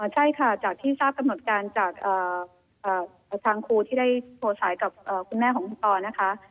ใช่ค่ะจากที่ทราบกำหนดการจากทางครูที่ได้โทรสายกับคุณแม่ของคุณปอนะคะ